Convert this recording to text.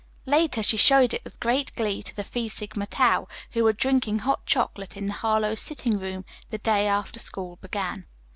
Later she showed it with great glee to the Phi Sigma Tau, who were drinking hot chocolate in the Harlowe's sitting room, the day after school began.